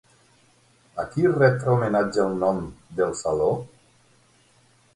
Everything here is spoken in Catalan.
A qui ret homenatge el nom del saló?